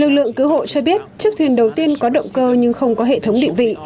lực lượng cứu hộ cho biết chiếc thuyền đầu tiên có động cơ nhưng không có hệ thống định vị